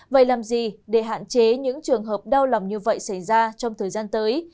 vậy làm gì để hạn chế những trường hợp đau lòng như vậy xảy ra trong thời gian tới